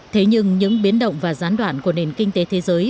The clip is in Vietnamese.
thế nhưng những biến động và gián đoạn của nền kinh tế thế giới